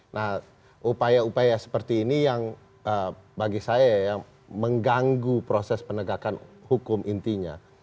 nah upaya upaya seperti ini yang bagi saya ya mengganggu proses penegakan hukum intinya